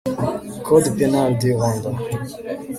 Code P nal du Rwanda